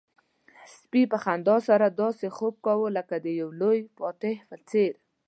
سپي په خندا سره داسې خوب کاوه لکه د یو لوی فاتح په څېر.